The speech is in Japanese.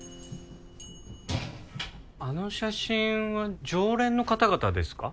あの写真は常連の方々ですか？